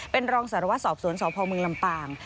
เป็นรองสารวัตรสอบสวนสพมลำปาง